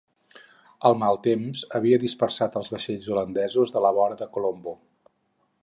El mal temps havia dispersat els vaixells holandesos de la vora de Colombo.